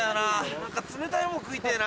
何か冷たいもん食いてぇな。